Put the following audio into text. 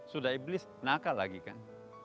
sudah iblis nakal lagi kan